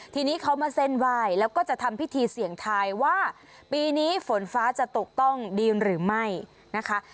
ทีนี้เขามาเส้นไหว้แล้วก็จะทำพิธีเสี่ยงทายว่าปีนี้ฝนฟ้าจะตกต้องดีหรือไม่นะคะ